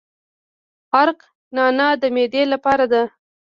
عرق نعنا د معدې لپاره دی.